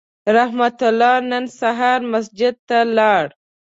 رحمت الله نن سهار مسجد ته لاړ